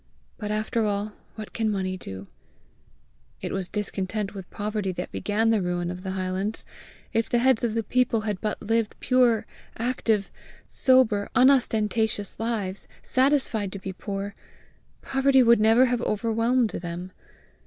but after all, what can money do? It was discontent with poverty that began the ruin of the highlands! If the heads of the people had but lived pure, active, sober, unostentatious lives, satisfied to be poor, poverty would never have overwhelmed them!